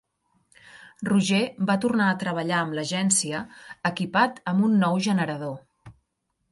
Roger va tornar a treballar amb l'Agència, equipat amb un nou generador.